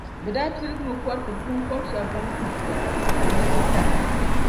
bɛ daa piligimi kɔriti bɛ binkɔb’ shɛb’ ban gbahi dɔriti ka niriba dara.